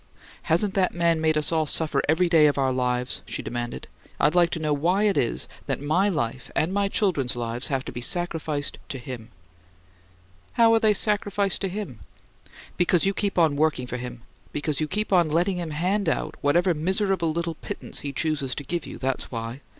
"Hasn't that man made us all suffer every day of our lives?" she demanded. "I'd like to know why it is that my life and my children's lives have to be sacrificed to him?" "How are they 'sacrificed' to him?" "Because you keep on working for him! Because you keep on letting him hand out whatever miserable little pittance he chooses to give you; that's why!